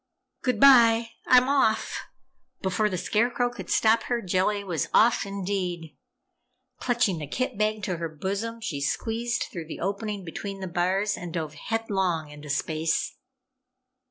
"Goodbye! I'm off!" Before the Scarecrow could stop her, Jellia was off, indeed! Clutching the kit bag to her bosom, she squeezed through the opening between the bars and dove headlong into space!